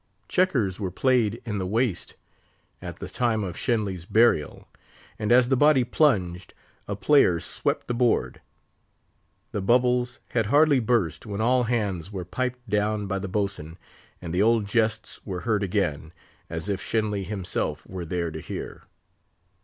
Checkers were played in the waist at the time of Shenly's burial; and as the body plunged, a player swept the board. The bubbles had hardly burst, when all hands were piped down by the Boatswain, and the old jests were heard again, as if Shenly himself were there to hear.